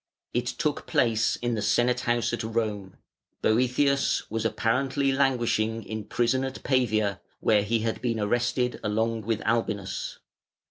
It took place in the Senate house at Rome; Boëthius was apparently languishing in prison at Pavia, where he had been arrested along with Albinus.